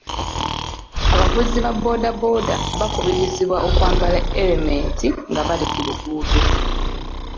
Abavuzi ba boodabooda bakubirizibwa okwambala erementi nga bali ku luguudo.